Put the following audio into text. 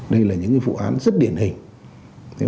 đây là những vụ án rất điển hình